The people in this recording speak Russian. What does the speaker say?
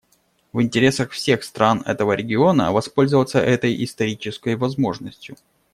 В интересах всех стран этого региона воспользоваться этой исторической возможностью.